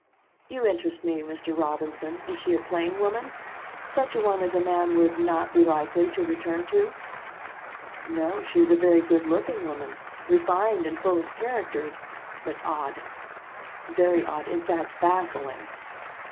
"You interest me, Mr. Robinson. Is she a plain woman? Such a one as a man would not be likely to return to?" "No, she is a very good looking woman, refined and full of character, but odd, very odd, in fact, baffling."